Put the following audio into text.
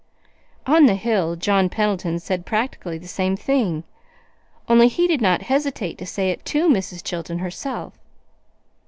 On the hill John Pendleton said practically the same thing, only he did not hesitate to say it to Mrs. Chilton herself.